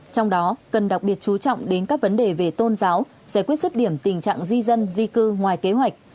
trong đó cần đặc biệt chú trọng đến các vấn đề về tôn giáo giải quyết rứt điểm tình trạng di dân di cư ngoài kế hoạch